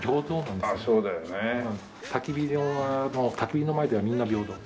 たき火はたき火の前ではみんな平等。